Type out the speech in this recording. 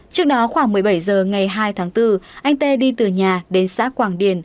trước đó khoảng một mươi bảy h ngày hai tháng bốn anh tê đi từ nhà đến xã quảng điền